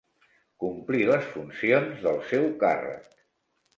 Complir les funcions del seu càrrec.